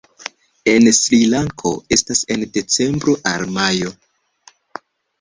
En Srilanko estas en decembro al majo.